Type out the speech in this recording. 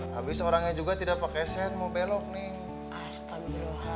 habis orangnya juga tidak pakai sen mau belok nih